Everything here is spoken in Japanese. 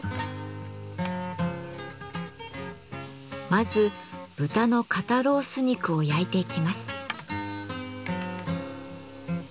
まず豚の肩ロース肉を焼いていきます。